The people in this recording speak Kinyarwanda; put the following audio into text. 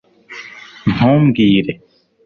ntumbwire